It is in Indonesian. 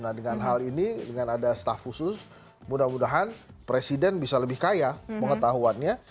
nah dengan hal ini dengan ada staff khusus mudah mudahan presiden bisa lebih kaya pengetahuannya